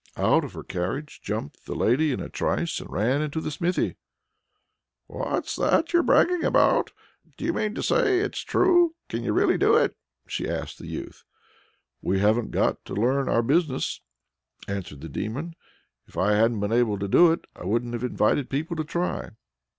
Out of her carriage jumped the lady in a trice, and ran into the smithy. "What's that you're bragging about? Do you mean to say it's true? Can you really do it?" she asked the youth. "We haven't got to learn our business!" answered the Demon. "If I hadn't been able to do it, I wouldn't have invited people to try."